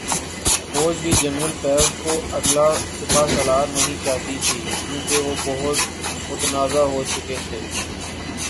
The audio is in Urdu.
فوج بھی جنرل فیض کو اگلا سپاسالار نہیں چاہتی تھی، کیونکہ وہ بہت متنازع ہوچکے تھے۔۔